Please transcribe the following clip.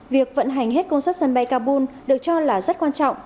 việc vận hành hết công suất sân bay kabul được cho là rất quan trọng